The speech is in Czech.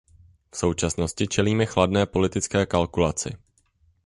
V současnosti čelíme chladné politické kalkulaci.